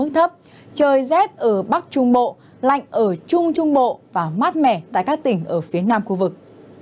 trời rét ở bắc trung bộ lạnh ở trung trung bộ và mát mẻ tại các tỉnh ở phía nam khu vực